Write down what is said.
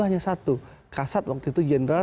hanya satu kasat waktu itu jenderal